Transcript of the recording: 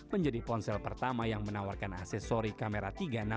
menjadi ponsel pertama yang menawarkan aksesori kamera tiga ratus enam puluh